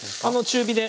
中火で。